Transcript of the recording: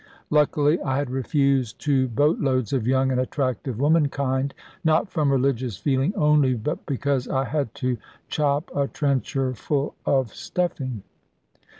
Luckily I had refused two boat loads of young and attractive womankind, not from religious feeling only, but because I had to chop a trencherful of stuffing.